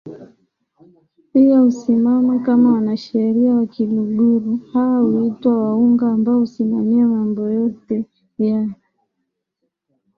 pia husimama kama Wanasheria wa Kiluguru hawa huitwa Wahunga ambao husimamia mambo yote ya